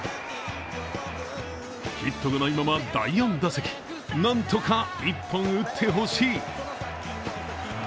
ヒットがないまま第４打席なんとか１本打ってほしい。